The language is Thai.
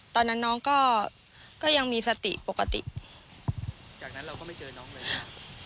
ตอนนั้นน้องก็ยังมีสติปกติจากนั้นเราก็ไม่เจอน้องเลยค่ะ